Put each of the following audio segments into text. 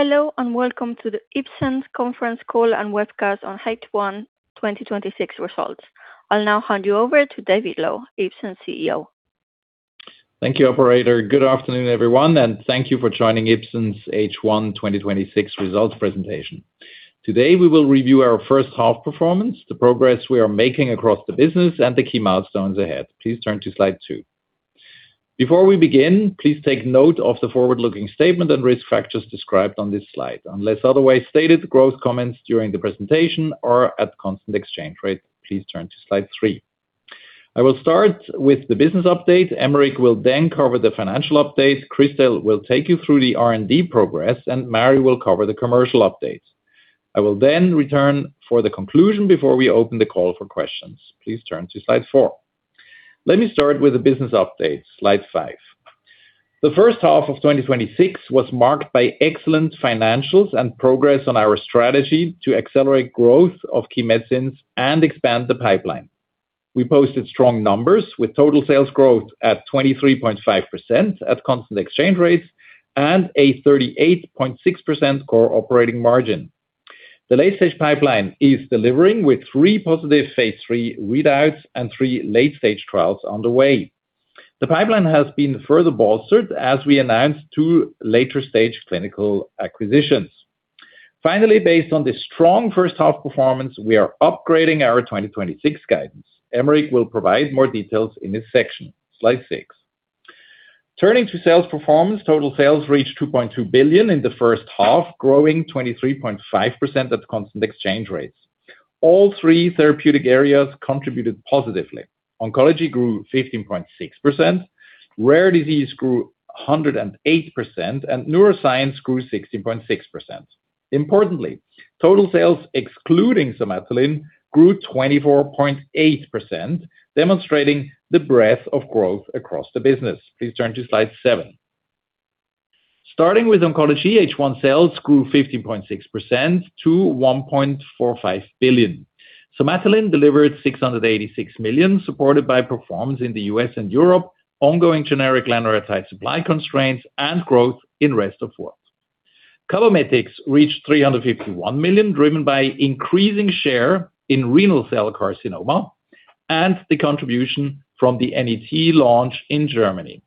Hello, and welcome to the Ipsen conference call and webcast on H1 2026 results. I'll now hand you over to David Loew, Ipsen's Chief Executive Officer. Thank you, operator. Good afternoon, everyone, and thank you for joining Ipsen's H1 2026 results presentation. Today we will review our first half performance, the progress we are making across the business, and the key milestones ahead. Please turn to slide two. Before we begin, please take note of the forward-looking statement and risk factors described on this slide. Unless otherwise stated, growth comments during the presentation are at constant exchange rates. Please turn to slide three. I will start with the business update. Aymeric will then cover the financial update, Christelle will take you through the R&D progress, and Mari will cover the commercial update. I will return for the conclusion before we open the call for questions. Please turn to slide four. Let me start with the business update. Slide five. The first half of 2026 was marked by excellent financials and progress on our strategy to accelerate growth of key medicines and expand the pipeline. We posted strong numbers with total sales growth at 23.5% at constant exchange rates and a 38.6% core operating margin. The late stage pipeline is delivering with three positive phase III readouts and three late-stage trials underway. The pipeline has been further bolstered as we announced two later stage clinical acquisitions. Finally, based on the strong first half performance, we are upgrading our 2026 guidance. Aymeric will provide more details in this section. Slide six. Turning to sales performance, total sales reached 2.2 billion in the first half, growing 23.5% at constant exchange rates. All three therapeutic areas contributed positively. Oncology grew 15.6%, rare disease grew 108%, and neuroscience grew 16.6%. Importantly, total sales excluding Somatuline grew 24.8%, demonstrating the breadth of growth across the business. Please turn to slide seven. Starting with oncology, H1 sales grew 15.6% to 1.45 billion. Somatuline delivered 686 million, supported by performance in the U.S. and Europe, ongoing generic lanreotide supply constraints, and growth in rest of world. Cabometyx reached 351 million, driven by increasing share in renal cell carcinoma and the contribution from the NET launch in Germany.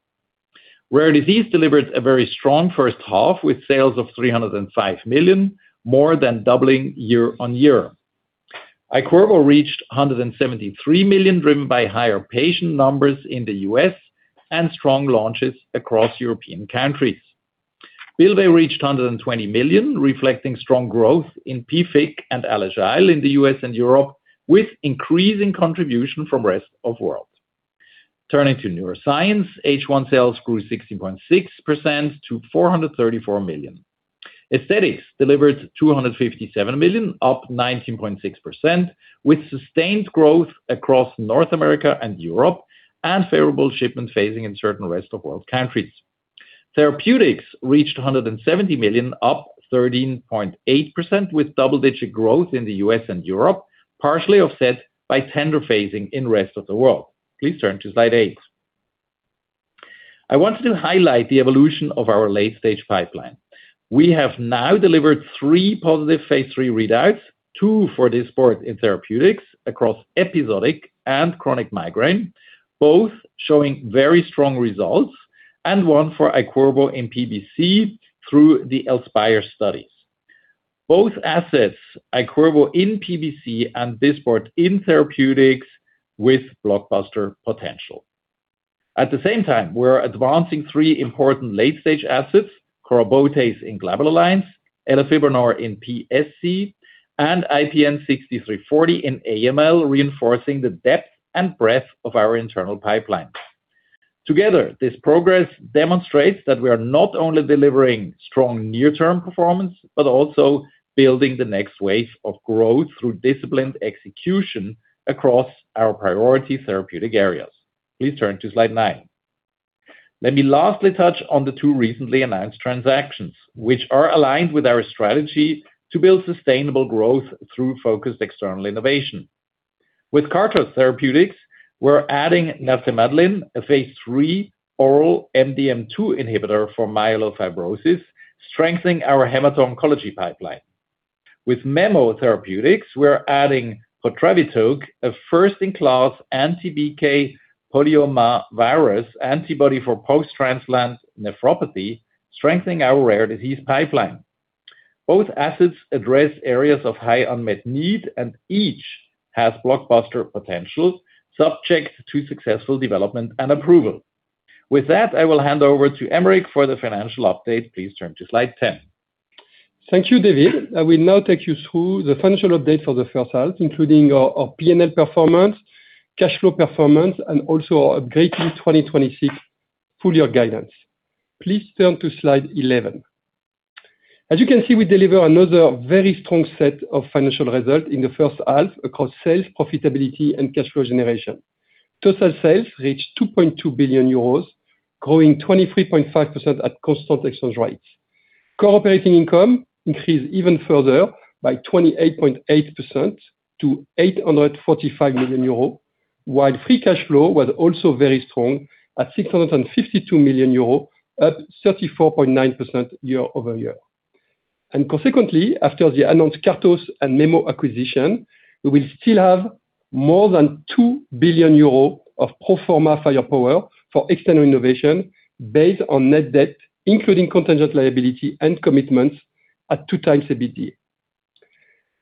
Rare disease delivered a very strong first half, with sales of 305 million, more than doubling year-on-year. Iqirvo reached 173 million, driven by higher patient numbers in the U.S. and strong launches across European countries. Bylvay reached 120 million, reflecting strong growth in PFIC and ALGS in the U.S. and Europe, with increasing contribution from rest of world. Turning to neuroscience, H1 sales grew 16.6% to 434 million. Aesthetics delivered 257 million, up 19.6%, with sustained growth across North America and Europe and favorable shipment phasing in certain Rest of World countries. Therapeutics reached 170 million, up 13.8%, with double-digit growth in the U.S. and Europe, partially offset by tender phasing in Rest of World. Please turn to slide eight. I wanted to highlight the evolution of our late-stage pipeline. We have now delivered three positive phase III readouts. Two for Dysport in therapeutics across episodic and chronic migraine, both showing very strong results, and one for Iqirvo in PBC through the ELSPIRE studies. Both assets, Iqirvo in PBC and Dysport in therapeutics, with blockbuster potential. At the same time, we're advancing three important late-stage assets, corabotase in glabellar lines, elafibranor in PSC, and IPN60340 in AML, reinforcing the depth and breadth of our internal pipeline. Together, this progress demonstrates that we are not only delivering strong near-term performance, but also building the next wave of growth through disciplined execution across our priority therapeutic areas. Please turn to slide nine. Let me lastly touch on the two recently announced transactions, which are aligned with our strategy to build sustainable growth through focused external innovation. With Kartos Therapeutics, we're adding navtemadlin, a phase III oral MDM2 inhibitor for myelofibrosis, strengthening our hemato-oncology pipeline. With Memo Therapeutics, we're adding potravitug, a first-in-class anti-BK polyomavirus antibody for post-transplant nephropathy, strengthening our rare disease pipeline. Both assets address areas of high unmet need, each has blockbuster potential, subject to successful development and approval. With that, I will hand over to Aymeric for the financial update. Please turn to slide 10. Thank you, David. I will now take you through the financial update for the first half, including our P&L performance, cash flow performance, and also our upgraded 2026 full-year guidance. Please turn to slide 11. As you can see, we deliver another very strong set of financial results in the first half across sales, profitability, and cash flow generation. Total sales reached 2.2 billion euros, growing 23.5% at constant exchange rates. Core operating income increased even further by 28.8% to 845 million euro. Free cash flow was also very strong at 652 million euro, up 34.9% YoY. Consequently, after the announced Kartos and Memo Therapeutics acquisition, we will still have more than 2 billion euro of pro forma firepower for external innovation based on net debt, including contingent liability and commitments at 2x EBITDA.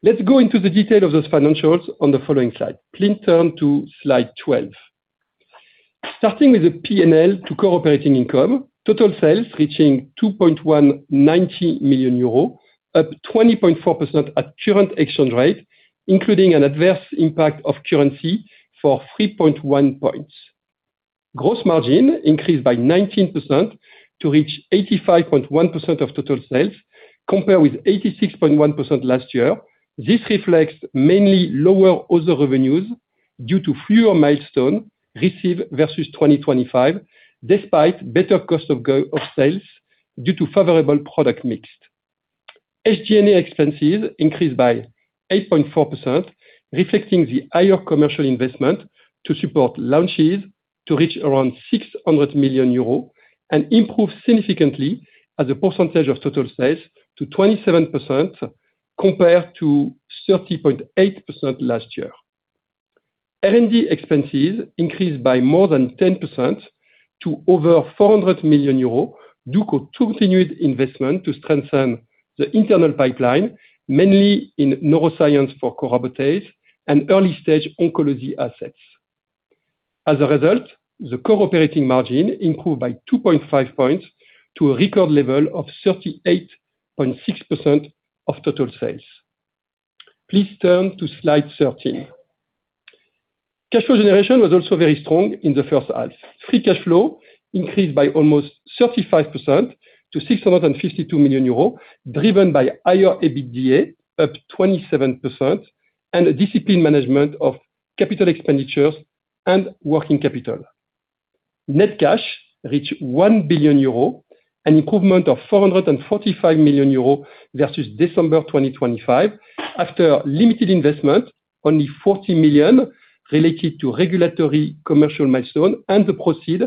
Let's go into the detail of those financials on the following slide. Please turn to slide 12. Starting with the P&L to core operating income, total sales reaching 2,190 million euros, up 20.4% at current exchange rate, including an adverse impact of currency for 3.1 points. Gross margin increased by 19% to reach 85.1% of total sales, compared with 86.1% last year. This reflects mainly lower other revenues due to fewer milestone received versus 2025, despite better cost of sales due to favorable product mix. SG&A expenses increased by 8.4%, reflecting the higher commercial investment to support launches to reach around 600 million euros and improve significantly as a percentage of total sales to 27% compared to 30.8% last year. R&D expenses increased by more than 10% to over 400 million euros, due to continued investment to strengthen the internal pipeline, mainly in neuroscience for corabotase and early-stage oncology assets. As a result, the operating margin improved by 2.5 points to a record level of 38.6% of total sales. Please turn to slide 13. Cash flow generation was also very strong in the first half. Free cash flow increased by almost 35% to 652 million euros, driven by higher EBITDA of 27% and a disciplined management of capital expenditures and working capital. Net cash reached 1 billion euro, an improvement of 445 million euro versus December 2025, after limited investment, only 40 million related to regulatory commercial milestone and the proceed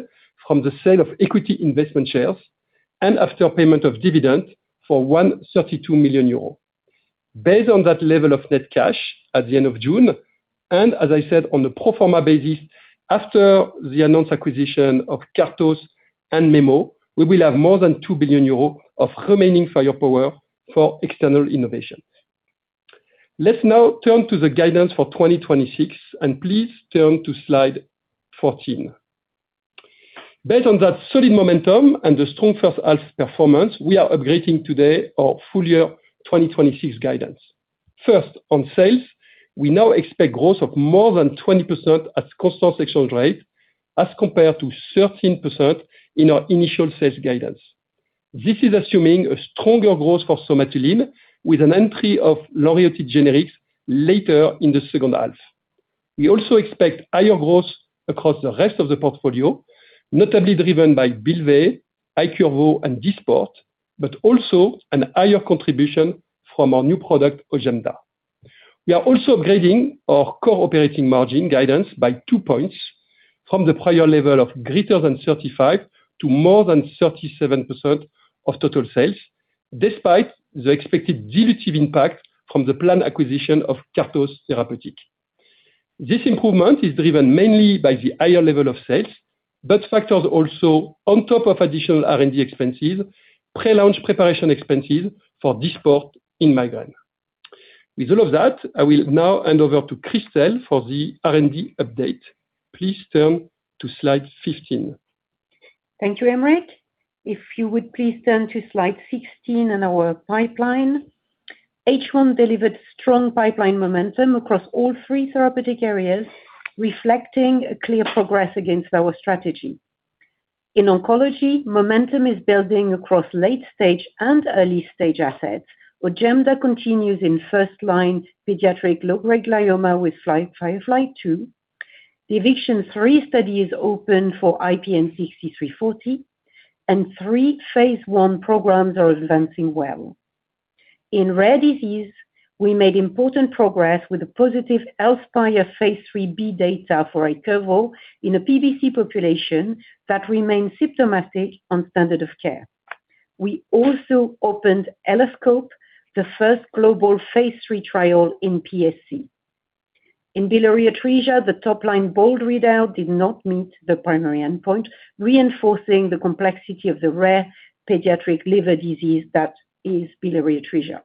from the sale of equity investment shares, and after payment of dividend for 132 million euros. Based on that level of net cash at the end of June, and as I said, on the pro forma basis, after the announced acquisition of Kartos and Memo, we will have more than 2 billion euros of remaining firepower for external innovations. Now let's turn to the guidance for 2026. Please turn to slide 14. Based on that solid momentum and the strong first half performance, we are upgrading today our full year 2026 guidance. First, on sales, we now expect growth of more than 20% at constant exchange rate as compared to 13% in our initial sales guidance. This is assuming a stronger growth for Somatuline, with an entry of lanreotide generics later in the second half. We also expect higher growth across the rest of the portfolio, notably driven by Bylvay, Iqirvo, and Dysport, but also an higher contribution from our new product Ojemda. We are also upgrading our operating margin guidance by two points from the prior level of greater than 35% to more than 37% of total sales, despite the expected dilutive impact from the planned acquisition of Kartos Therapeutics. This improvement is driven mainly by the higher level of sales. Factors also on top of additional R&D expenses, pre-launch preparation expenses for Dysport in migraine. With all of that, I will now hand over to Christelle for the R&D update. Please turn to slide 15. Thank you, Aymeric. If you would please turn to slide 16 on our pipeline. H1 delivered strong pipeline momentum across all three therapeutic areas, reflecting a clear progress against our strategy. In oncology, momentum is building across late-stage and early-stage assets, where Ojemda continues in first-line pediatric low-grade glioma with FIREFLY-2. The EVICTION 3 study is open for IPN60340, and three phase I programs are advancing well. In rare disease, we made important progress with the positive ELSPIRE phase IIIb data for Iqirvo in a PBC population that remains symptomatic on standard of care. We also opened ELASCOPE, the first global phase III trial in PSC. In biliary atresia, the top line BOLD readout did not meet the primary endpoint, reinforcing the complexity of the rare pediatric liver disease that is biliary atresia.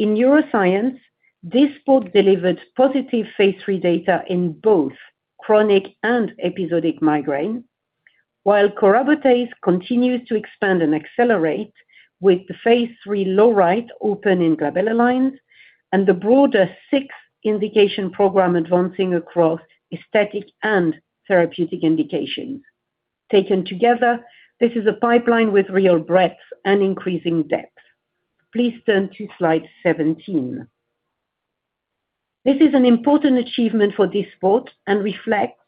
In neuroscience, Dysport delivered positive phase III data in both chronic and episodic migraine, while corabotase continues to expand and accelerate with the phase III LAURITE open in glabellar lines and the broader six indication program advancing across aesthetics and therapeutic indications. Taken together, this is a pipeline with real breadth and increasing depth. Please turn to slide 17. This is an important achievement for Dysport and reflects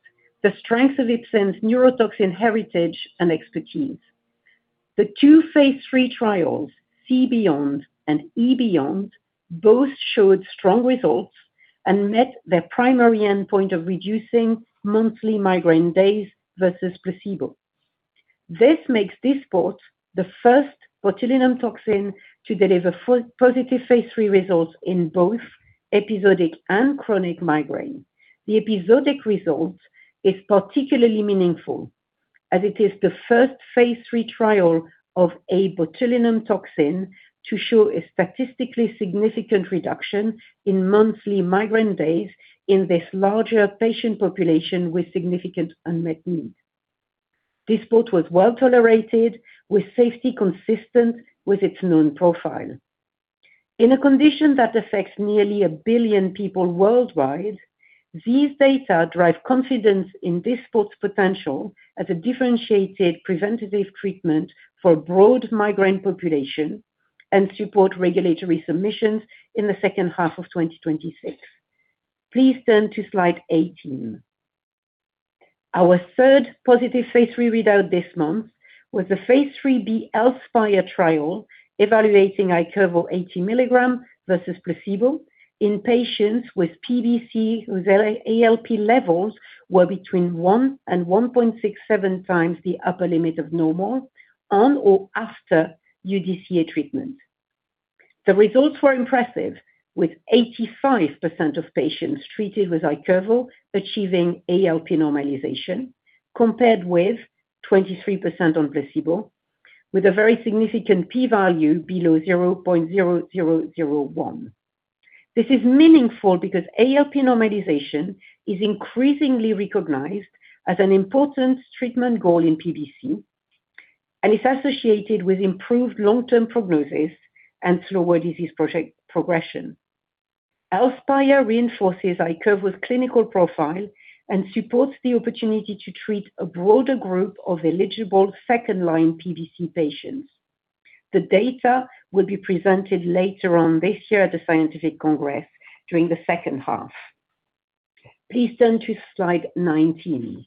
the strength of Ipsen's neurotoxin heritage and expertise. The two phase III trials, C-BEOND and E-BEOND, both showed strong results and met their primary endpoint of reducing monthly migraine days versus placebo. This makes Dysport the first botulinum toxin to deliver positive phase III results in both episodic and chronic migraine. The episodic result is particularly meaningful, as it is the first phase III trial of a botulinum toxin to show a statistically significant reduction in monthly migraine days in this larger patient population with significant unmet need. Dysport was well-tolerated with safety consistent with its known profile. In a condition that affects nearly a billion people worldwide, these data drive confidence in Dysport's potential as a differentiated preventative treatment for broad migraine population, and support regulatory submissions in the second half of 2026. Please turn to slide 18. Our third positive phase III readout this month was the phase IIIb ELSPIRE trial evaluating Iqirvo 80 mg versus placebo in patients with PBC whose ALP levels were between one and 1.67 times the upper limit of normal on or after UDCA treatment. The results were impressive, with 85% of patients treated with Iqirvo achieving ALP normalization compared with 23% on placebo, with a very significant P value below 0.0001. This is meaningful because ALP normalization is increasingly recognized as an important treatment goal in PBC and is associated with improved long-term prognosis and slower disease progression. ELSPIRE reinforces Iqirvo's clinical profile and supports the opportunity to treat a broader group of eligible second-line PBC patients. The data will be presented later on this year at the scientific congress during the second half. Please turn to slide 19.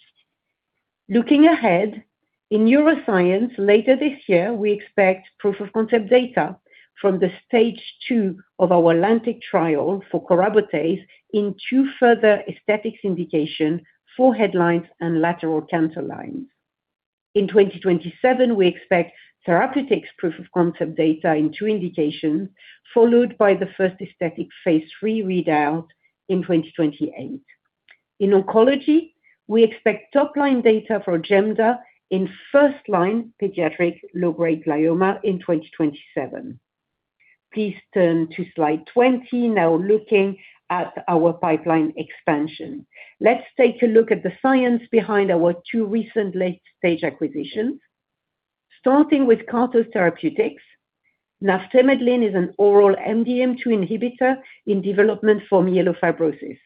Looking ahead, in neuroscience later this year, we expect proof-of-concept data from the stage two of our LANTIC trial for corabotase in two further aesthetics indication for forehead lines and lateral canthal lines. In 2027, we expect therapeutic proof-of-concept data in two indications, followed by the first aesthetic phase III readout in 2028. In oncology, we expect top-line data for Ojemda in first-line pediatric low-grade glioma in 2027. Please turn to slide 20, now looking at our pipeline expansion. Let's take a look at the science behind our two recent late-stage acquisitions. Starting with Kartos Therapeutics, navtemadlin is an oral MDM2 inhibitor in development for myelofibrosis.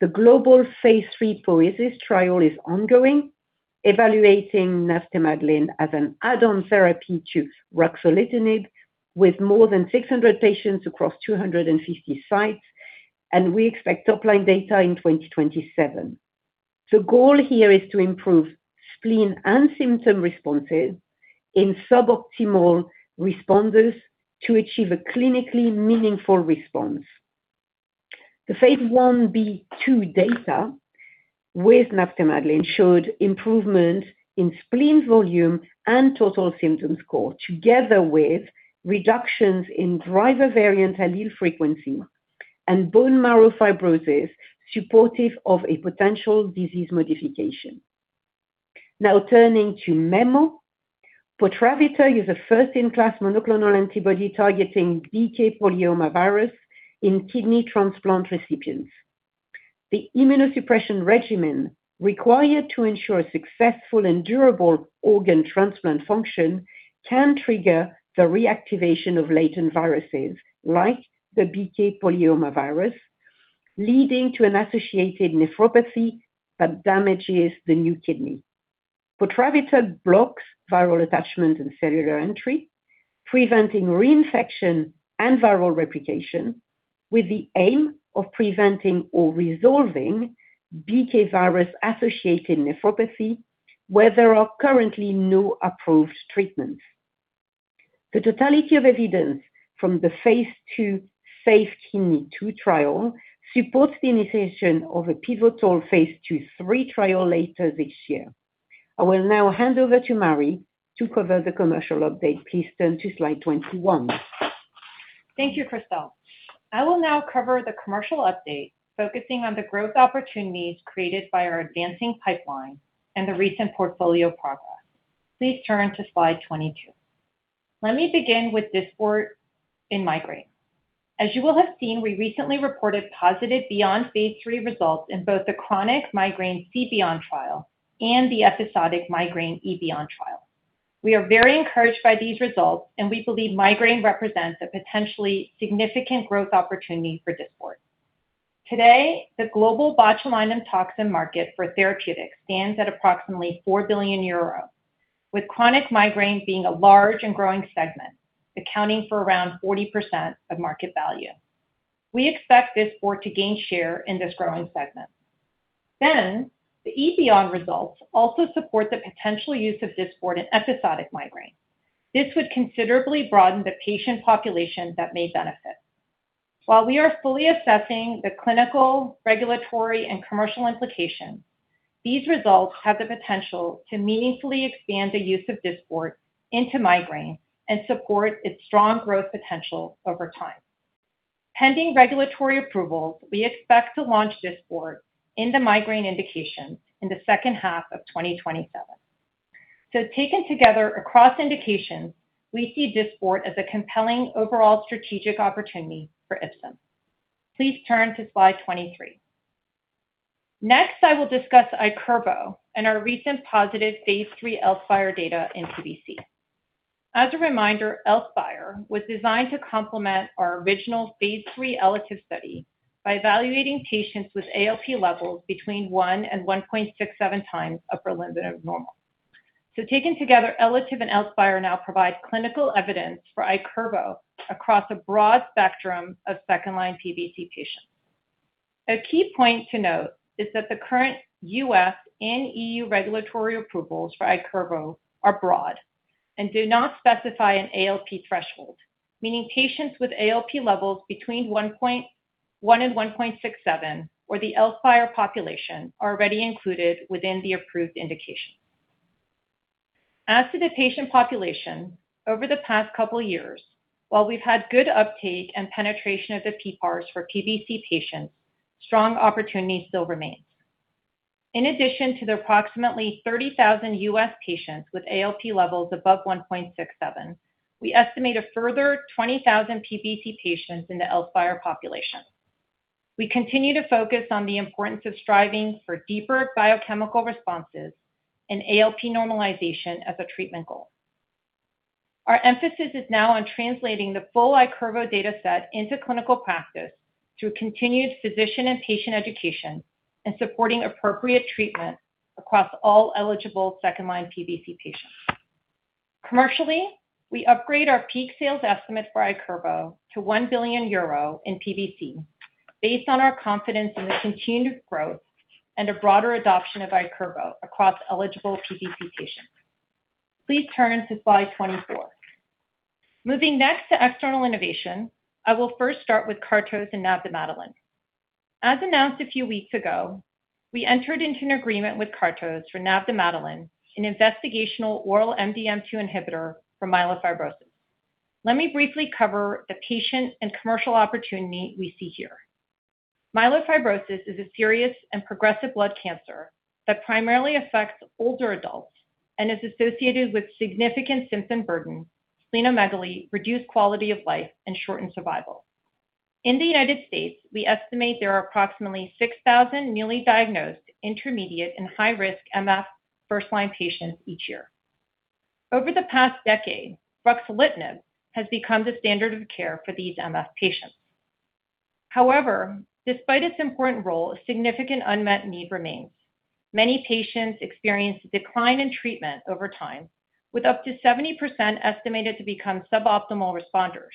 The global phase III POIESIS trial is ongoing, evaluating navtemadlin as an add-on therapy to ruxolitinib with more than 600 patients across 250 sites, and we expect top-line data in 2027. The goal here is to improve spleen and symptom responses in suboptimal responders to achieve a clinically meaningful response. The phase I-B/II data with navtemadlin showed improvement in spleen volume and total symptom score, together with reductions in driver variant allele frequency and bone marrow fibrosis supportive of a potential disease modification. Now turning to Memo, potravitug is a first-in-class monoclonal antibody targeting BK polyomavirus in kidney transplant recipients. The immunosuppression regimen required to ensure successful and durable organ transplant function can trigger the reactivation of latent viruses like the BK polyomavirus, leading to an associated nephropathy that damages the new kidney. Potravitug blocks viral attachment and cellular entry, preventing reinfection and viral replication, with the aim of preventing or resolving BK virus-associated nephropathy, where there are currently no approved treatments. The totality of evidence from the phase II SAFE KIDNEY 2 trial supports the initiation of a pivotal phase II/III trial later this year. I will now hand over to Mari to cover the commercial update. Please turn to slide 21. Thank you, Christelle. I will now cover the commercial update focusing on the growth opportunities created by our advancing pipeline and the recent portfolio progress. Please turn to slide 22. Let me begin with Dysport in migraine. As you will have seen, we recently reported positive BEOND phase III results in both the chronic migraine C-BEOND trial and the episodic migraine E-BEOND trial. We are very encouraged by these results, and we believe migraine represents a potentially significant growth opportunity for Dysport. Today, the global botulinum toxin market for therapeutics stands at approximately 4 billion euros, with chronic migraine being a large and growing segment, accounting for around 40% of market value. We expect Dysport to gain share in this growing segment. The E-BEOND results also support the potential use of Dysport in episodic migraine. This would considerably broaden the patient population that may benefit. While we are fully assessing the clinical, regulatory, and commercial implications, these results have the potential to meaningfully expand the use of Dysport into migraine and support its strong growth potential over time. Pending regulatory approvals, we expect to launch Dysport in the migraine indication in the second half of 2027. Taken together across indications, we see Dysport as a compelling overall strategic opportunity for Ipsen. Please turn to slide 23. Next, I will discuss Iqirvo and our recent positive phase III ELSPIRE data in PBC. As a reminder, ELSPIRE was designed to complement our original phase III ELEVATE study by evaluating patients with ALP levels between one and 1.67 times upper limit of normal. Taken together, ELEVATE and ELSPIRE now provide clinical evidence for Iqirvo across a broad spectrum of second-line PBC patients. A key point to note is that the current U.S. and EU regulatory approvals for Iqirvo are broad and do not specify an ALP threshold, meaning patients with ALP levels between one and 1.67 or the ELSPIRE population are already included within the approved indication. As to the patient population, over the past couple of years, while we've had good uptake and penetration of the PPARs for PBC patients, strong opportunity still remains. In addition to the approximately 30,000 U.S. patients with ALP levels above 1.67, we estimate a further 20,000 PBC patients in the ELSPIRE population. We continue to focus on the importance of striving for deeper biochemical responses and ALP normalization as a treatment goal. Our emphasis is now on translating the full Iqirvo data set into clinical practice through continued physician and patient education and supporting appropriate treatment across all eligible second-line PBC patients. Commercially, we upgrade our peak sales estimate for Iqirvo to 1 billion euro in PBC based on our confidence in the continued growth and a broader adoption of Iqirvo across eligible PBC patients. Please turn to slide 24. Moving next to external innovation, I will first start with Kartos and navtemadlin. As announced a few weeks ago, we entered into an agreement with Kartos for navtemadlin, an investigational oral MDM2 inhibitor for myelofibrosis. Let me briefly cover the patient and commercial opportunity we see here. Myelofibrosis is a serious and progressive blood cancer that primarily affects older adults and is associated with significant symptom burden, splenomegaly, reduced quality of life, and shortened survival. In the U.S., we estimate there are approximately 6,000 newly diagnosed intermediate and high-risk MF first-line patients each year. Over the past decade, ruxolitinib has become the standard of care for these MF patients. Despite its important role, a significant unmet need remains. Many patients experience a decline in treatment over time, with up to 70% estimated to become suboptimal responders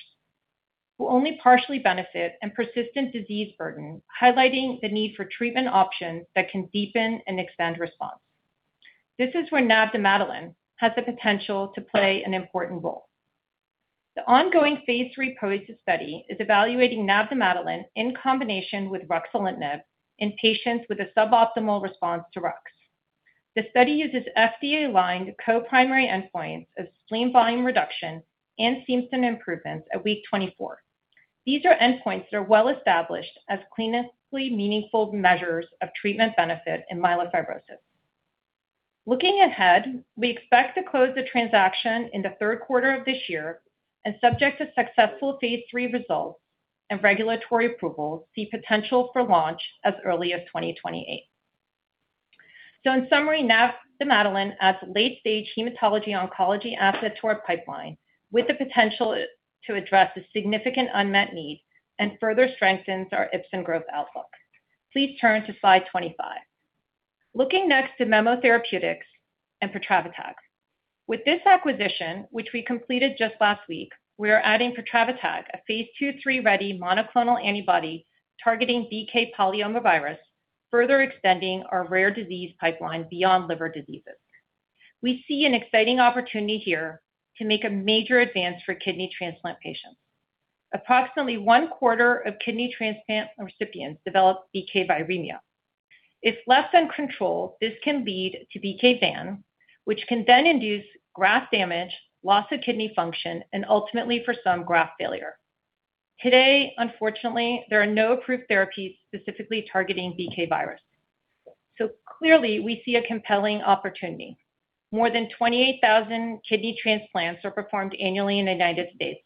who only partially benefit, and persistent disease burden, highlighting the need for treatment options that can deepen and extend response. This is where navtemadlin has the potential to play an important role. The ongoing phase III POIESIS study is evaluating navtemadlin in combination with ruxolitinib in patients with a suboptimal response to Rux. The study uses FDA-aligned co-primary endpoints of spleen volume reduction and symptom improvements at week 24. These are endpoints that are well established as clinically meaningful measures of treatment benefit in myelofibrosis. Looking ahead, we expect to close the transaction in the third quarter of this year and, subject to successful phase III results and regulatory approval, see potential for launch as early as 2028. In summary, navtemadlin adds a late-stage hematology oncology asset to our pipeline with the potential to address a significant unmet need and further strengthens our Ipsen growth outlook. Please turn to slide 25. Looking next to Memo Therapeutics and potravitug. With this acquisition, which we completed just last week, we are adding potravitug, a phase II/III-ready monoclonal antibody targeting BK polyomavirus, further extending our rare disease pipeline beyond liver diseases. We see an exciting opportunity here to make a major advance for kidney transplant patients. Approximately one-quarter of kidney transplant recipients develop BK viremia. If left uncontrolled, this can lead to BKVAN, which can then induce graft damage, loss of kidney function, and ultimately for some, graft failure. Today, unfortunately, there are no approved therapies specifically targeting BK virus. Clearly, we see a compelling opportunity. More than 28,000 kidney transplants are performed annually in the U.S.,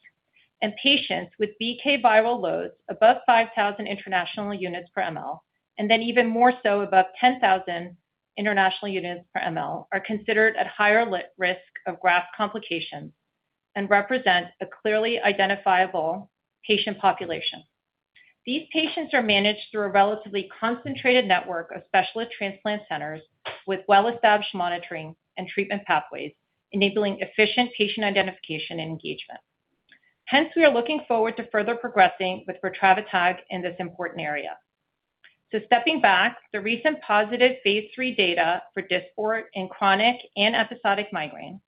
and patients with BK viral loads above 5,000 international units per mL, and even more so above 10,000 international units per mL, are considered at higher risk of graft complications and represent a clearly identifiable patient population. These patients are managed through a relatively concentrated network of specialist transplant centers with well-established monitoring and treatment pathways, enabling efficient patient identification and engagement. Hence, we are looking forward to further progressing with potravitug in this important area. Stepping back, the recent positive phase III data for Dysport in chronic and episodic migraine,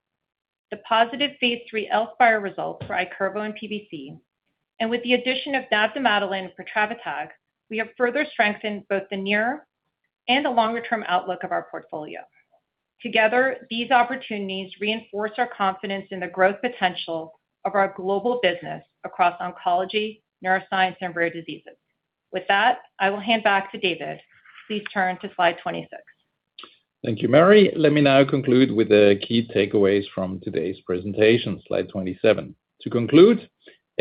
the positive phase III ELSPIRE results for Iqirvo in PBC, and with the addition of navtemadlin and potravitug, we have further strengthened both the near and the longer-term outlook of our portfolio. Together, these opportunities reinforce our confidence in the growth potential of our global business across oncology, neuroscience, and rare diseases. With that, I will hand back to David. Please turn to slide 26. Thank you, Mari. Let me now conclude with the key takeaways from today's presentation. Slide 27. To conclude,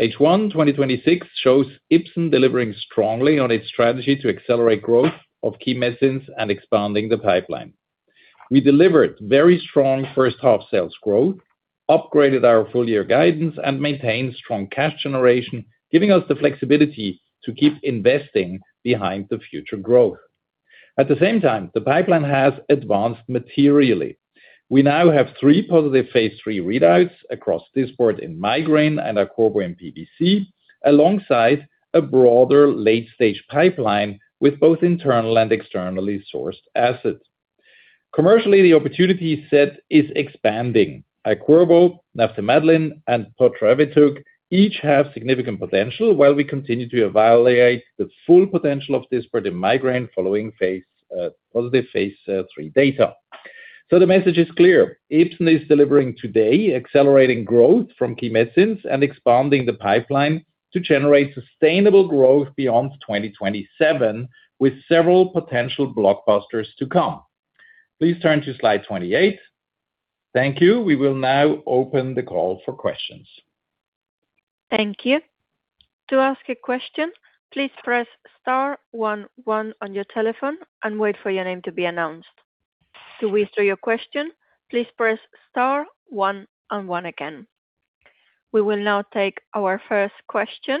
H1 2026 shows Ipsen delivering strongly on its strategy to accelerate growth of key medicines and expanding the pipeline. We delivered very strong first-half sales growth, upgraded our full-year guidance, and maintained strong cash generation, giving us the flexibility to keep investing behind the future growth. At the same time, the pipeline has advanced materially. We now have three positive phase III readouts across Dysport in migraine and Iqirvo in PBC, alongside a broader late-stage pipeline with both internal and externally sourced assets. Commercially, the opportunity set is expanding. Iqirvo, navtemadlin, and potravitug each have significant potential, while we continue to evaluate the full potential of Dysport in migraine following positive phase III data. The message is clear. Ipsen is delivering today, accelerating growth from key medicines and expanding the pipeline to generate sustainable growth beyond 2027, with several potential blockbusters to come. Please turn to slide 28. Thank you. We will now open the call for questions. Thank you. To ask a question, please press star one one on your telephone and wait for your name to be announced. To withdraw your question, please press star one and one again. We will now take our first question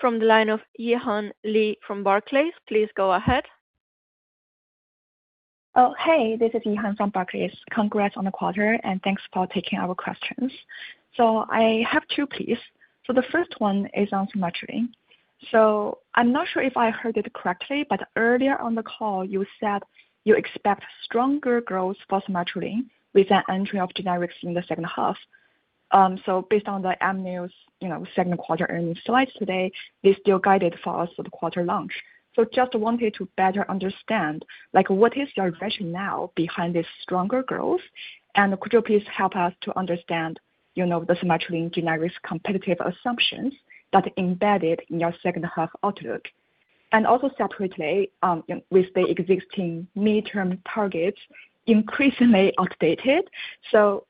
from the line of Yihan Li from Barclays. Please go ahead. This is Yihan from Barclays. Congrats on the quarter, and thanks for taking our questions. I have two, please. The first one is on Somatuline. I'm not sure if I heard it correctly, but earlier on the call you said you expect stronger growth for Somatuline with the entry of generics in the second half. Based on the Amneal second quarter earnings slides today, they still guided for a third quarter launch. Just wanted to better understand, what is your direction now behind this stronger growth? Could you please help us to understand the Somatuline generics competitive assumptions that are embedded in your second half outlook? Also separately, with the existing midterm targets increasingly outdated,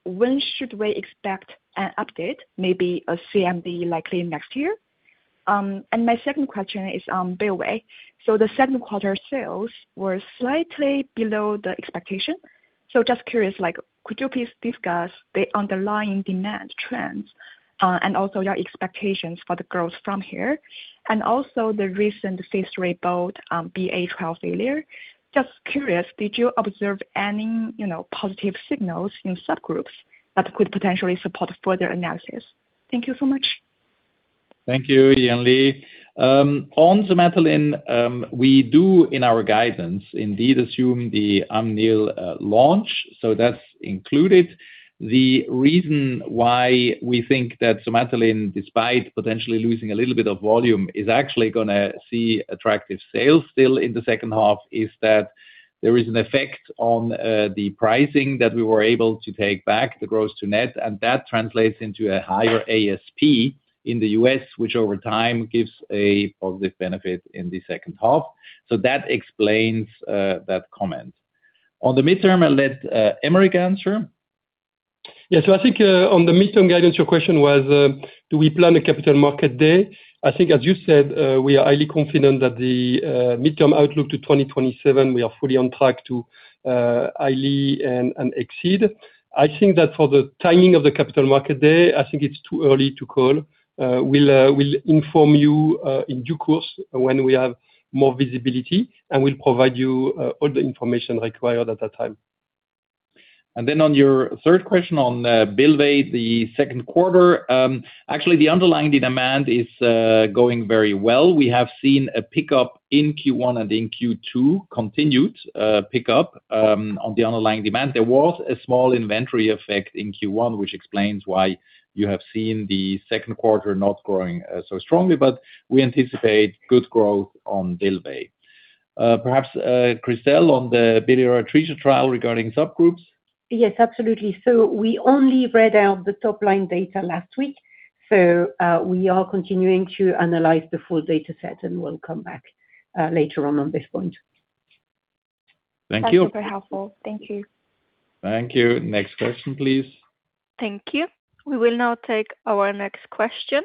when should we expect an update, maybe a CMD likely next year? My second question is on Bylvay. The second quarter sales were slightly below the expectation. Just curious, could you please discuss the underlying demand trends and also your expectations for the growth from here? Also the recent phase III BOLD BA trial failure. Just curious, did you observe any positive signals in subgroups that could potentially support further analysis? Thank you so much. Thank you, Yihan Li. On Somatuline, we do in our guidance indeed assume the Amneal launch, that's included. The reason why we think that Somatuline, despite potentially losing a little bit of volume, is actually going to see attractive sales still in the second half is that there is an effect on the pricing that we were able to take back the gross to net, and that translates into a higher ASP in the U.S., which over time gives a positive benefit in the second half. That explains that comment. On the midterm, I'll let Aymeric answer. I think on the midterm guidance, your question was, do we plan a Capital Markets Day? As you said, we are highly confident that the midterm outlook to 2027, we are fully on track to highly and exceed. For the timing of the Capital Markets Day, it's too early to call. We'll inform you in due course when we have more visibility, and we'll provide you all the information required at that time. On your third question on Bylvay, the second quarter, actually the underlying demand is going very well. We have seen a pickup in Q1 and in Q2, continued pickup on the underlying demand. There was a small inventory effect in Q1, which explains why you have seen the second quarter not growing so strongly, but we anticipate good growth on Bylvay. Perhaps, Christelle, on the biliary atresia trial regarding subgroups? Yes, absolutely. We only read out the top-line data last week. We are continuing to analyze the full data set, and we'll come back later on on this point. Thank you. That's super helpful. Thank you. Thank you. Next question, please. Thank you. We will now take our next question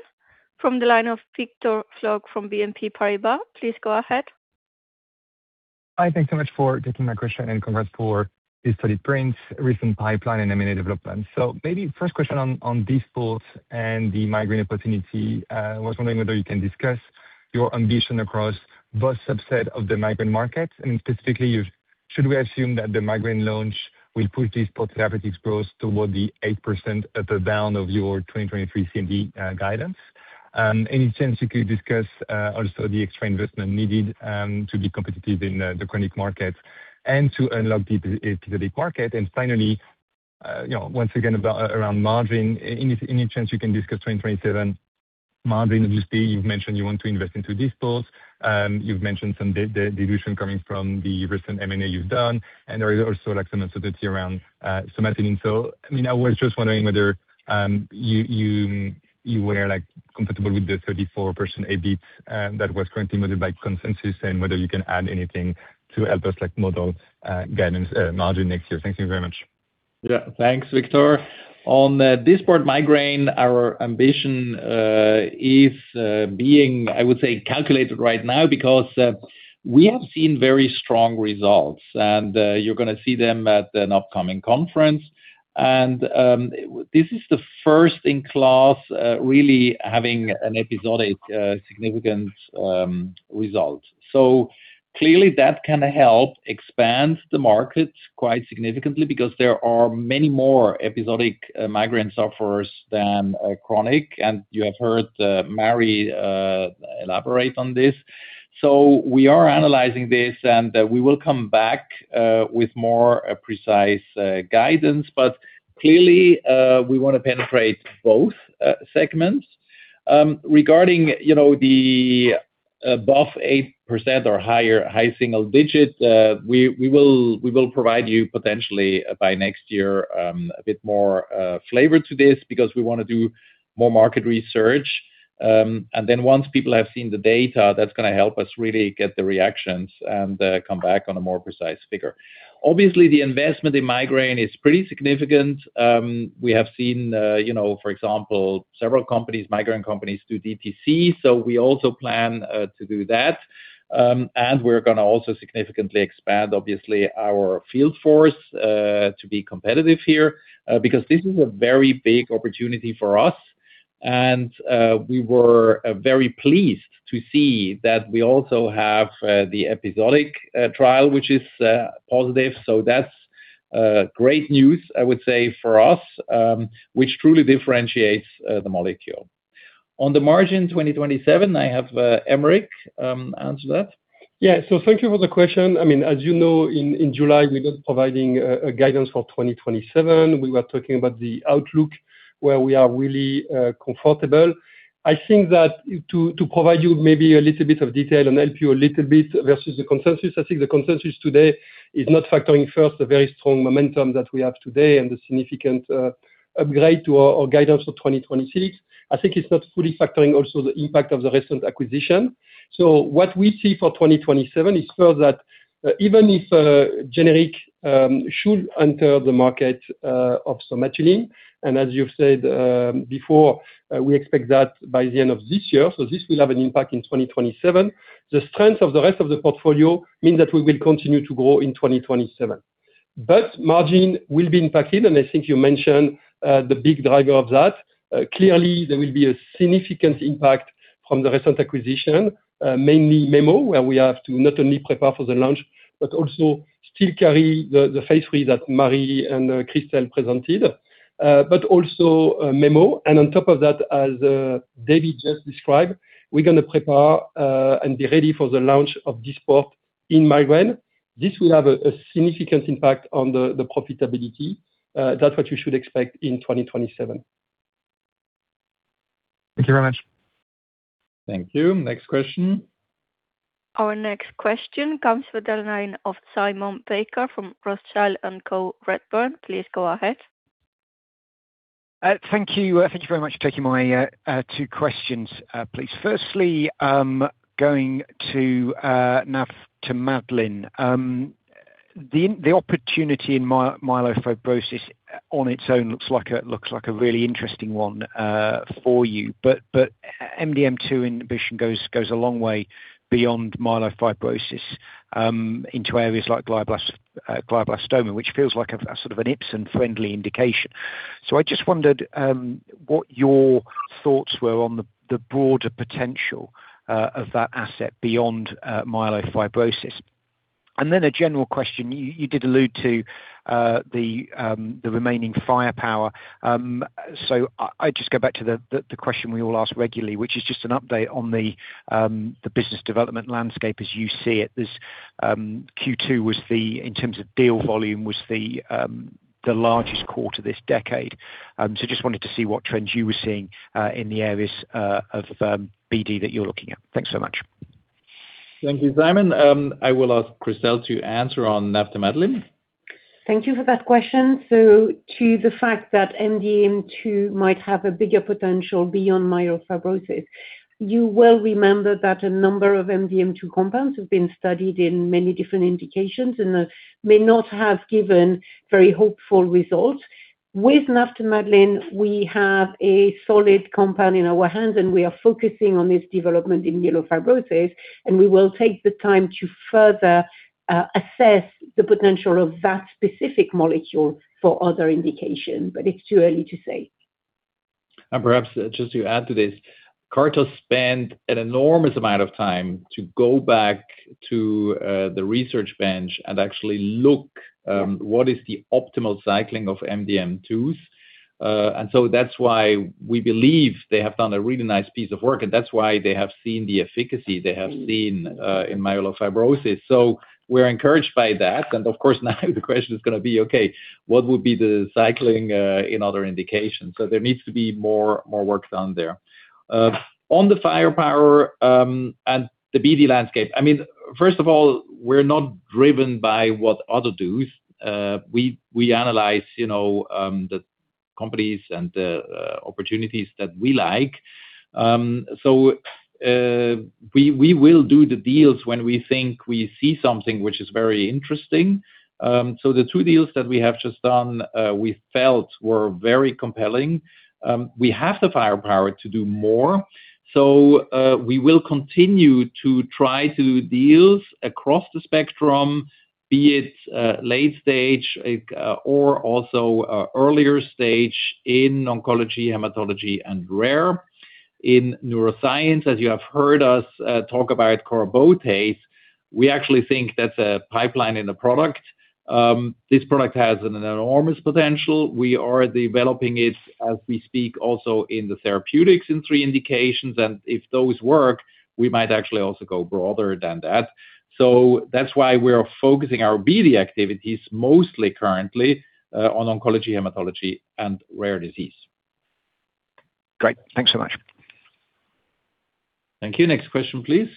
from the line of Victor Floc'h from BNP Paribas. Please go ahead. Hi. Thanks so much for taking my question, and congrats for these solid prints, recent pipeline, and M&A developments. Maybe first question on Dysport and the migraine opportunity. I was wondering whether you can discuss your ambition across both subset of the migraine market. Should we assume that the migraine launch will push this profitability growth toward the 8% at the down of your 2023 CMD guidance? Any chance you could discuss also the extra investment needed to be competitive in the chronic market and to unlock the episodic market? Finally, once again, around margin. Any chance you can discuss 2027 margin? Obviously, you've mentioned you want to invest into Dysport. You've mentioned some dilution coming from the recent M&A you've done, and there is also some uncertainty around Somatuline. I was just wondering whether you were comfortable with the 34% EBITDA that was currently modeled by consensus, and whether you can add anything to help us model guidance margin next year. Thank you very much. Thanks, Victor. On Dysport migraine, our ambition is being, I would say, calculated right now because we have seen very strong results. You're going to see them at an upcoming conference. This is the first in class really having an episodic significant result. Clearly that can help expand the market quite significantly because there are many more episodic migraine sufferers than chronic. You have heard Mari elaborate on this. We are analyzing this, and we will come back with more precise guidance. Clearly, we want to penetrate both segments. Regarding the above 8% or higher high single digits, we will provide you potentially by next year a bit more flavor to this because we want to do more market research. Once people have seen the data, that's going to help us really get the reactions and come back on a more precise figure. Obviously, the investment in migraine is pretty significant. We have seen, for example, several migraine companies do DTC. We also plan to do that. We're going to also significantly expand, obviously, our field force to be competitive here because this is a very big opportunity for us. We were very pleased to see that we also have the episodic trial, which is positive. That's great news, I would say, for us, which truly differentiates the molecule. On the margin 2027, I have Aymeric answer that. Thank you for the question. As you know, in July, we got providing a guidance for 2027. We were talking about the outlook where we are really comfortable. I think that to provide you maybe a little bit of detail and help you a little bit versus the consensus, I think the consensus today is not factoring first the very strong momentum that we have today and the significant upgrade to our guidance for 2026. I think it's not fully factoring also the impact of the recent acquisition. What we see for 2027 is clear that even if generic should enter the market of Somatuline, as you've said before, we expect that by the end of this year. This will have an impact in 2027. The strength of the rest of the portfolio mean that we will continue to grow in 2027. Margin will be impacted, and I think you mentioned the big driver of that. Clearly, there will be a significant impact from the recent acquisition, mainly Memo, where we have to not only prepare for the launch, but also still carry the phase III that Mari and Christelle presented. Also Memo. On top of that, as David just described, we're going to prepare and be ready for the launch of Dysport in migraine. This will have a significant impact on the profitability. That's what you should expect in 2027. Thank you very much. Thank you. Next question. Our next question comes to the line of Simon Baker from Rothschild & Co Redburn. Please go ahead. Thank you. Thank you very much for taking my two questions, please. Firstly, going to navtemadlin. The opportunity in myelofibrosis on its own looks like a really interesting one for you. MDM2 inhibition goes a long way beyond myelofibrosis into areas like glioblastoma, which feels like a sort of an Ipsen-friendly indication. I just wondered what your thoughts were on the broader potential of that asset beyond myelofibrosis. A general question. You did allude to the remaining firepower. I just go back to the question we all ask regularly, which is just an update on the business development landscape as you see it. This Q2, in terms of deal volume, was the largest quarter this decade. Just wanted to see what trends you were seeing in the areas of BD that you're looking at. Thanks so much. Thank you, Simon. I will ask Christelle to answer on navtemadlin. Thank you for that question. To the fact that MDM2 might have a bigger potential beyond myelofibrosis, you well remember that a number of MDM2 compounds have been studied in many different indications and may not have given very hopeful results. With navtemadlin, we have a solid compound in our hands, and we are focusing on this development in myelofibrosis, and we will take the time to further assess the potential of that specific molecule for other indication. It's too early to say. Perhaps just to add to this, Kartos spent an enormous amount of time to go back to the research bench and actually look what is the optimal cycling of MDM2s. That's why we believe they have done a really nice piece of work, and that's why they have seen the efficacy they have seen in myelofibrosis. We're encouraged by that. Of course, now the question is going to be, okay, what would be the cycling in other indications? There needs to be more work done there. On the firepower and the BD landscape, first of all, we're not driven by what others do. We analyze the companies and the opportunities that we like. We will do the deals when we think we see something which is very interesting. The two deals that we have just done we felt were very compelling. We have the firepower to do more. We will continue to try to do deals across the spectrum, be it late stage or also earlier stage in oncology, hematology, and rare. In neuroscience, as you have heard us talk about corabotase, we actually think that's a pipeline in the product. This product has an enormous potential. We are developing it as we speak, also in the therapeutics in three indications, and if those work, we might actually also go broader than that. That's why we're focusing our BD activities mostly currently on oncology, hematology, and rare disease. Great. Thanks so much. Thank you. Next question, please.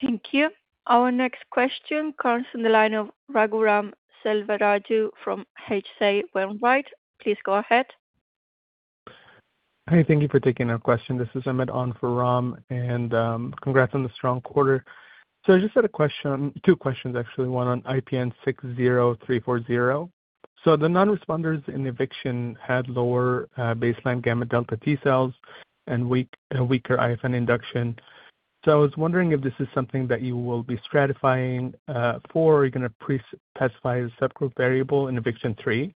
Thank you. Our next question comes from the line of Raghuram Selvaraju from H.C. Wainwright & Co. Please go ahead. Hi. Thank you for taking our question. This is Ahmed on for Ram. Congrats on the strong quarter. I just had a question, two questions actually. One on IPN60340. The non-responders in EVICTION had lower baseline gamma delta T cells and weaker IFN induction. I was wondering if this is something that you will be stratifying for. Are you going to pre-specify a subgroup variable in EVICTION 3?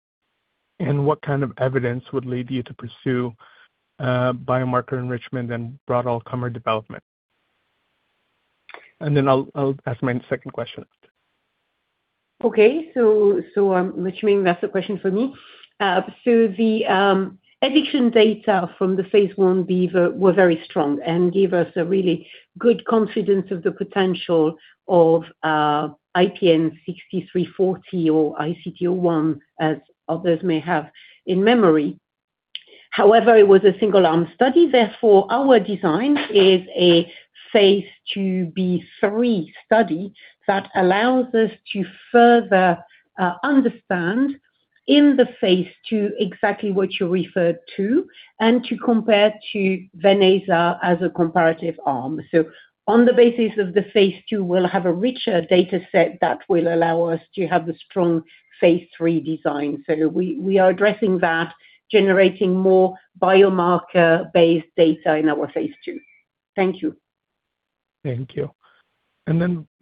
What kind of evidence would lead you to pursue biomarker enrichment and broad all-comer development? I'll ask my second question. I'm assuming that's a question for me. The EVICTION data from the phase I Beaver were very strong and gave us a really good confidence of the potential of IPN60340 or ICT01, as others may have in memory. However, it was a single-arm study, therefore our design is a phase II-B/III study that allows us to further understand in the phase II exactly what you referred to and to compare to venetoclax as a comparative arm. On the basis of the phase II, we'll have a richer data set that will allow us to have a strong phase III design. We are addressing that, generating more biomarker-based data in our phase II. Thank you. Thank you.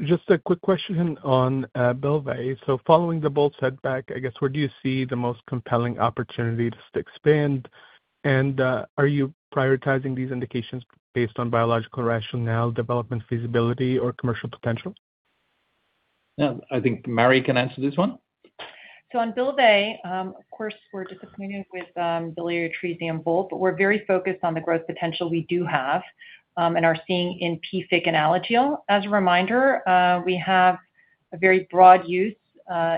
Just a quick question on Bylvay. Following the BOLD setback, I guess, where do you see the most compelling opportunity to expand? Are you prioritizing these indications based on biological rationale, development feasibility, or commercial potential? Yeah. I think Mari can answer this one. On Bylvay, of course, we're disappointed with biliary atresia and BOLD, but we're very focused on the growth potential we do have and are seeing in PFIC and Alagille. As a reminder, we have a very broad use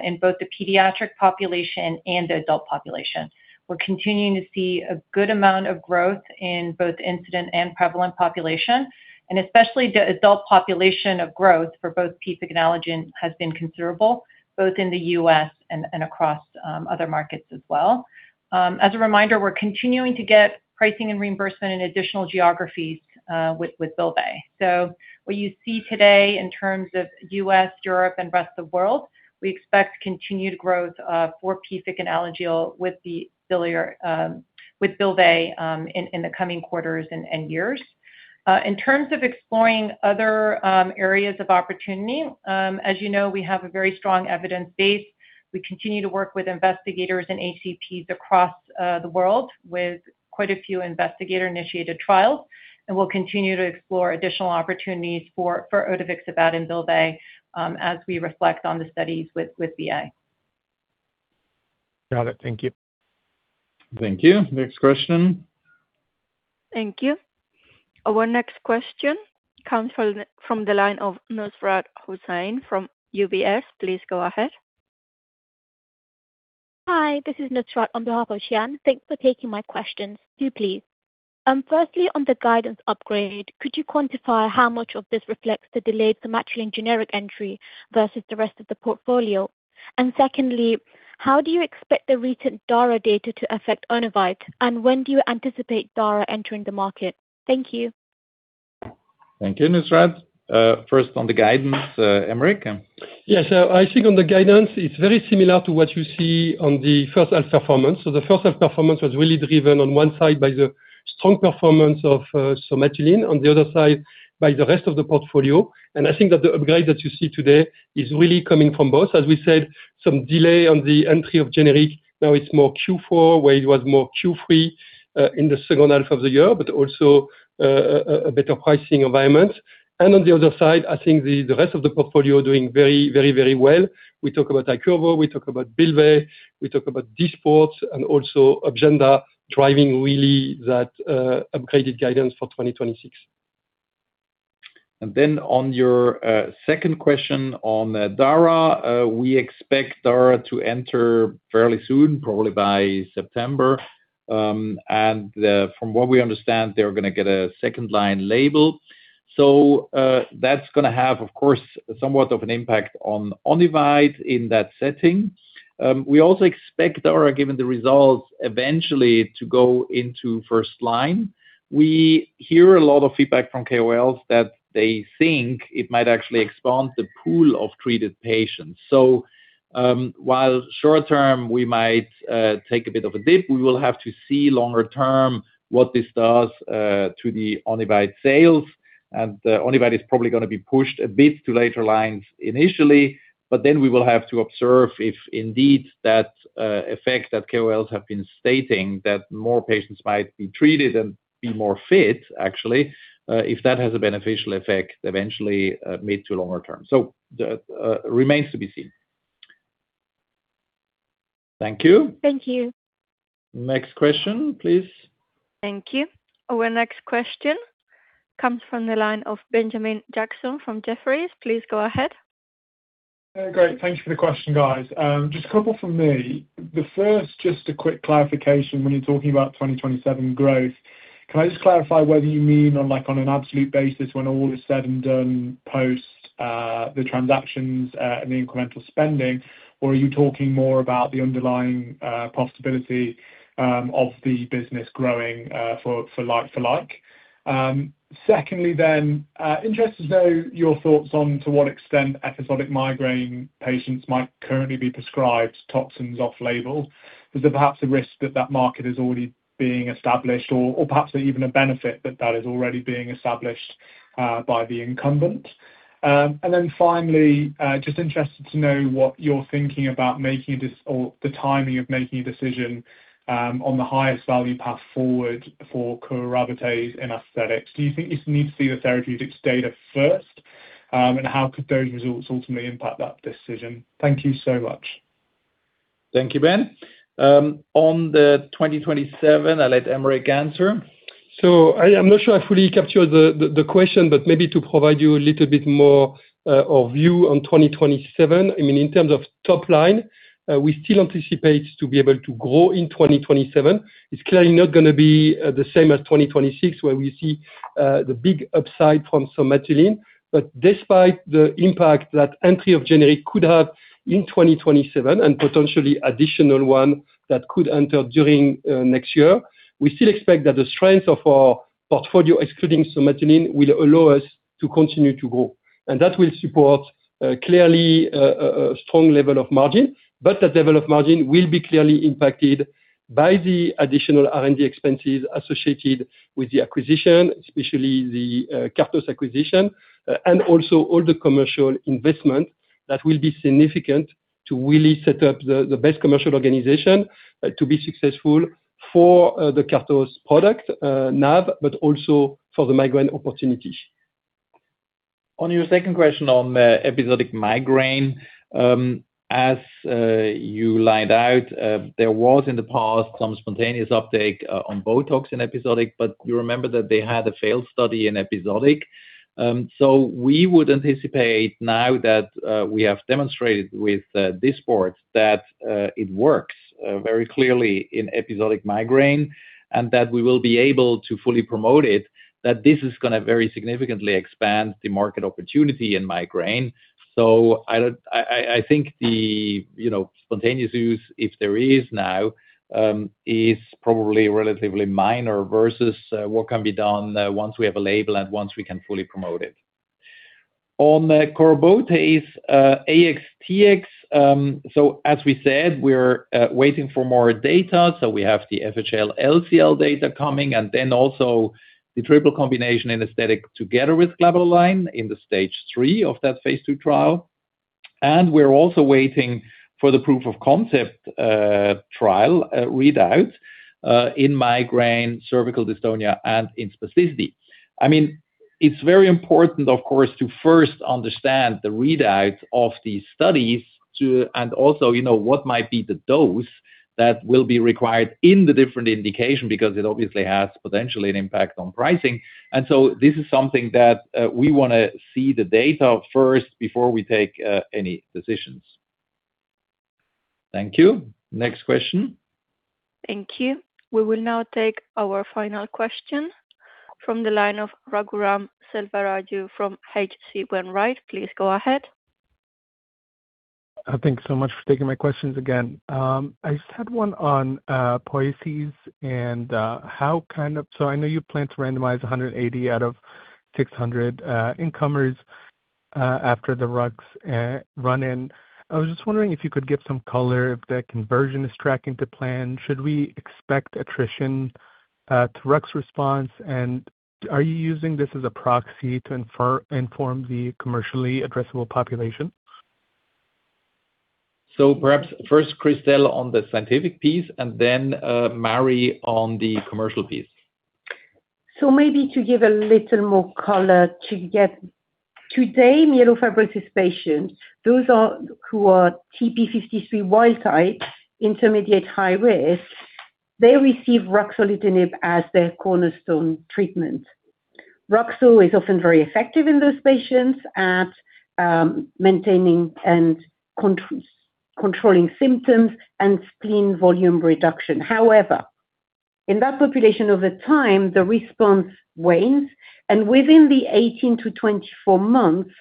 in both the pediatric population and the adult population. We're continuing to see a good amount of growth in both incident and prevalent population, and especially the adult population of growth for both PFIC and Alagille has been considerable, both in the U.S. and across other markets as well. As a reminder, we're continuing to get pricing and reimbursement in additional geographies with Bylvay. What you see today in terms of U.S., Europe, and rest of world, we expect continued growth for PFIC and Alagille with Bylvay in the coming quarters and years. In terms of exploring other areas of opportunity, as you know, we have a very strong evidence base. We continue to work with investigators and ACPs across the world with quite a few investigator-initiated trials. We'll continue to explore additional opportunities for odevixibat and Bylvay as we reflect on the studies with BA. Got it. Thank you. Thank you. Next question. Thank you. Our next question comes from the line of Nusrath Hussain from UBS. Please go ahead. Hi. This is Nusrath on behalf of Xian. Thanks for taking my questions. Two, please. Firstly, on the guidance upgrade, could you quantify how much of this reflects the delayed Somatuline generic entry versus the rest of the portfolio? Secondly, how do you expect the recent DARA data to affect Onivyde? When do you anticipate DARA entering the market? Thank you. Thank you, Nusrath. First on the guidance, Aymeric? Yes. I think on the guidance, it's very similar to what you see on the first half performance. The first half performance was really driven on one side by the strong performance of Somatuline. On the other side, by the rest of the portfolio. I think that the upgrade that you see today is really coming from both. As we said, some delay on the entry of generic. Now it's more Q4, where it was more Q3, in the second half of the year, but also a better pricing environment. On the other side, I think the rest of the portfolio are doing very well. We talk about Iqirvo, we talk about Bylvay, we talk about Dysport, and also Ojemda driving really that upgraded guidance for 2026. On your second question on DARA, we expect DARA to enter fairly soon, probably by September. From what we understand, they're going to get a second line label. That's going to have, of course, somewhat of an impact on Onivyde in that setting. We also expect DARA, given the results, eventually to go into first line. We hear a lot of feedback from KOLs that they think it might actually expand the pool of treated patients. While short term, we might take a bit of a dip, we will have to see longer term what this does to the Onivyde sales. Onivyde is probably going to be pushed a bit to later lines initially, we will have to observe if indeed that effect that KOLs have been stating that more patients might be treated and be more fit, actually, if that has a beneficial effect eventually mid to longer term. That remains to be seen. Thank you. Thank you. Next question, please. Thank you. Our next question comes from the line of Benjamin Jackson from Jefferies. Please go ahead. Great. Thank you for the question, guys. Just a couple from me. The first, just a quick clarification. When you are talking about 2027 growth, can I just clarify whether you mean on an absolute basis when all is said and done post the transactions and the incremental spending, or are you talking more about the underlying possibility of the business growing for like for like? Secondly, interested to know your thoughts on to what extent episodic migraine patients might currently be prescribed toxins off label. Is there perhaps a risk that that market is already being established or perhaps even a benefit that that is already being established by the incumbent? Finally, just interested to know what you are thinking about the timing of making a decision on the highest value path forward for corabotase and aesthetics. Do you think you need to see the therapeutics data first? How could those results ultimately impact that decision? Thank you so much. Thank you, Ben. On the 2027, I let Aymeric answer. I am not sure I fully captured the question, but maybe to provide you a little bit more of view on 2027. In terms of top line, we still anticipate to be able to grow in 2027. It is clearly not going to be the same as 2026, where we see the big upside from Somatuline. Despite the impact that entry of generic could have in 2027 and potentially additional one that could enter during next year, we still expect that the strength of our portfolio, excluding Somatuline, will allow us to continue to grow. That will support clearly a strong level of margin, but that level of margin will be clearly impacted by the additional R&D expenses associated with the acquisition, especially the Kartos acquisition, and also all the commercial investment that will be significant to really set up the best commercial organization to be successful for the Kartos product, nav, but also for the migraine opportunities. On your second question on episodic migraine. As you laid out, there was in the past some spontaneous uptake on BOTOX in episodic, but you remember that they had a failed study in episodic. We would anticipate now that we have demonstrated with Dysport that it works very clearly in episodic migraine and that we will be able to fully promote it, that this is going to very significantly expand the market opportunity in migraine. I think the spontaneous use, if there is now, is probably relatively minor versus what can be done once we have a label and once we can fully promote it. On the corabotase aesthetics, as we said, we're waiting for more data. We have the FL/LCL data coming and then also the triple combination anesthetic together with Glabellar lines in the stage three of that phase II trial. We're also waiting for the proof of concept trial readout in migraine cervical dystonia and in spasticity. It's very important, of course, to first understand the readout of these studies too, and also what might be the dose that will be required in the different indication, because it obviously has potentially an impact on pricing. This is something that we want to see the data first before we take any decisions. Thank you. Next question. Thank you. We will now take our final question from the line of Raghuram Selvaraju from H.C. Wainwright & Co. Please go ahead. Thanks so much for taking my questions again. I just had one on POIESIS and how kind of I know you plan to randomize 180 out of 600 incomers. After the Rux run-in, I was just wondering if you could give some color if the conversion is tracking to plan. Should we expect attrition to Rux response, and are you using this as a proxy to inform the commercially addressable population? Perhaps first, Christelle on the scientific piece, and then Mari on the commercial piece. Maybe to give a little more color to get today myelofibrosis patients, those who are TP53 wild type, intermediate high risk, they receive ruxolitinib as their cornerstone treatment. Ruxo is often very effective in those patients at maintaining and controlling symptoms and spleen volume reduction. However, in that population, over time, the response wanes, and within the 18-24 months,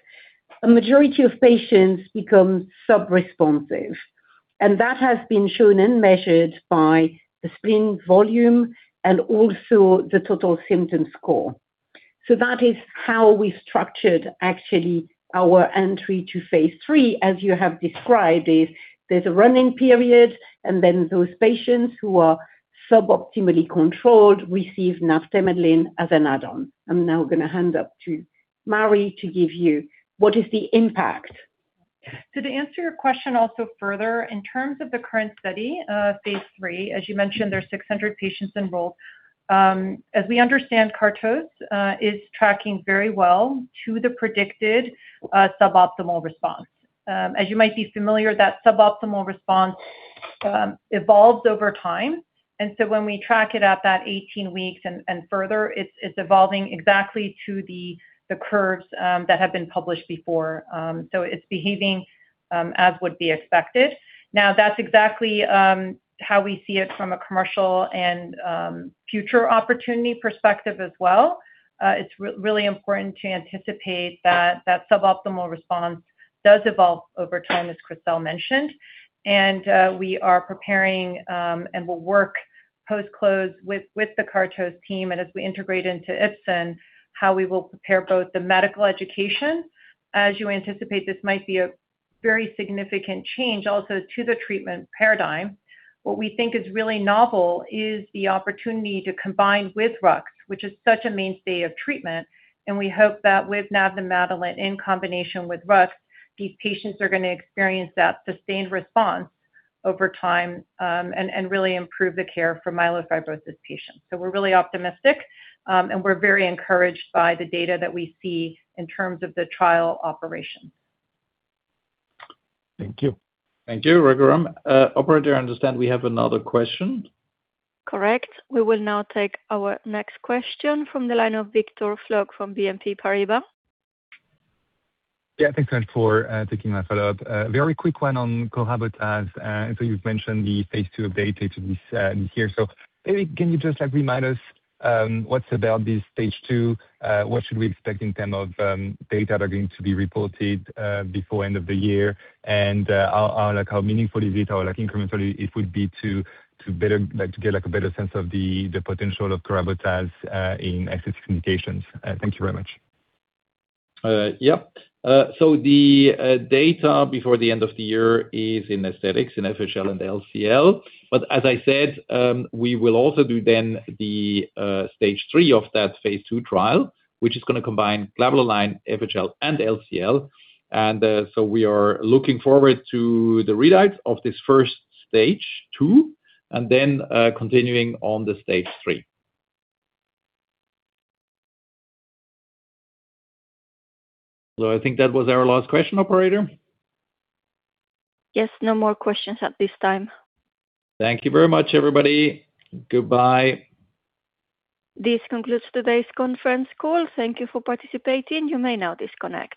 a majority of patients become subresponsive. That has been shown and measured by the spleen volume and also the total symptom score. That is how we structured, actually, our entry to phase III, as you have described, is there's a running period, and then those patients who are suboptimally controlled receive navtemadlin as an add-on. I'm now going to hand up to Mari to give you what is the impact. To answer your question also further, in terms of the current study, phase III, as you mentioned, there's 600 patients enrolled. As we understand, Kartos is tracking very well to the predicted suboptimal response. As you might be familiar, that suboptimal response evolves over time. When we track it at that 18 weeks and further, it's evolving exactly to the curves that have been published before. It's behaving as would be expected. Now, that's exactly how we see it from a commercial and future opportunity perspective as well. It's really important to anticipate that suboptimal response does evolve over time, as Christelle mentioned. We are preparing and will work post-close with the Kartos team, and as we integrate into Ipsen, how we will prepare both the medical education. As you anticipate, this might be a very significant change also to the treatment paradigm. What we think is really novel is the opportunity to combine with Rux, which is such a mainstay of treatment, and we hope that with navtemadlin in combination with Rux, these patients are going to experience that sustained response over time and really improve the care for myelofibrosis patients. We're really optimistic, and we're very encouraged by the data that we see in terms of the trial operation. Thank you. Thank you, Raghuram. Operator, I understand we have another question. Correct. We will now take our next question from the line of Victor Floc'h from BNP Paribas. Thanks very much for taking my follow-up. Very quick one on corabotase. You've mentioned the phase II updated this year. Maybe can you just remind us what's about this phase II? What should we expect in terms of data that are going to be reported before end of the year? How meaningful is it, or incrementally it would be to get a better sense of the potential of corabotase in excess communications? Thank you very much. Yes. The data before the end of the year is in aesthetics, in FL and LCL. As I said, we will also do then the stage three of that phase II trial, which is going to combine Glabellar lines FL and LCL. We are looking forward to the readouts of this first stage two, and then continuing on the stage three. I think that was our last question, operator. Yes. No more questions at this time. Thank you very much, everybody. Goodbye. This concludes today's conference call. Thank you for participating. You may now disconnect.